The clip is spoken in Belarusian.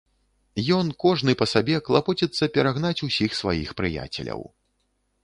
Ён, кожны па сабе, клапоціцца перагнаць усіх сваіх прыяцеляў.